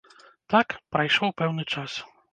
Так, прайшоў пэўны час.